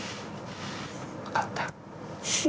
わかった？